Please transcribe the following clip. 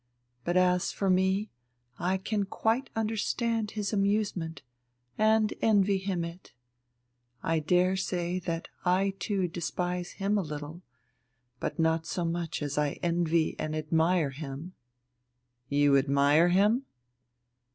But as for me, I can quite understand his amusement, and envy him it. I dare say that I too despise him a little, but not so much as I envy and admire him...." "You admire him?"